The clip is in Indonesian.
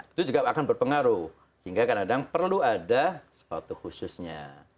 itu juga akan berpengaruh sehingga kadang kadang perlu ada sepatu khususnya